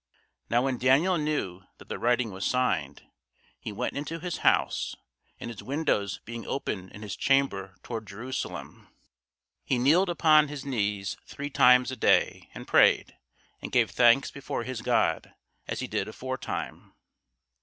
Now when Daniel knew that the writing was signed, he went into his house; and his windows being open in his chamber toward Jerusalem, he kneeled upon his knees three times a day, and prayed, and gave thanks before his God, as he did aforetime.